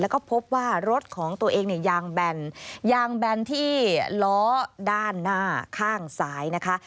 แล้วก็พบว่ารถของตัวเองยางแบนที่ล้อด้านหน้าข้างซ้ายนะคะ